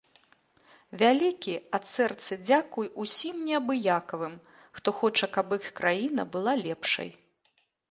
Вялікі, ад сэрца, дзякуй усім неабыякавым, хто хоча, каб іх краіна была лепшай!